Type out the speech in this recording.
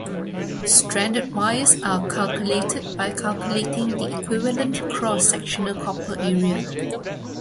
Stranded wires are calculated by calculating the equivalent cross sectional copper area.